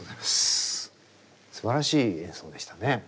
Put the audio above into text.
すばらしい演奏でしたね。